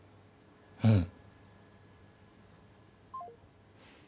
うん。